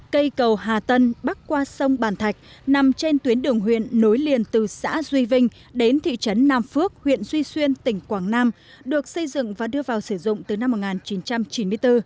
cây cầu hà tân bắc qua sông bàn thạch nằm trên tuyến đường huyện nối liền từ xã duy vinh đến thị trấn nam phước huyện duy xuyên tỉnh quảng nam được xây dựng và đưa vào sử dụng từ năm một nghìn chín trăm chín mươi bốn